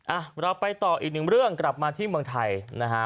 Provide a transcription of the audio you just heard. อ่ะเราไปต่ออีกหนึ่งเรื่องกลับมาที่เมืองไทยนะฮะ